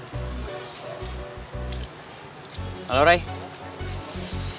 gue boleh minta nomornya si gino gak